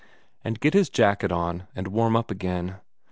And get his jacket on and get warm again.